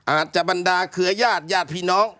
อาจจะบรรดาเครือญาติญาติพี่น้อง